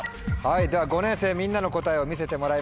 では５年生みんなの答えを見せてもらいましょう。